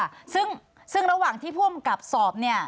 ค่ะซึ่งซึ่งระหว่างที่ผู้อำกับสอบเนี่ย